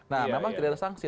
nah memang tidak ada sanksi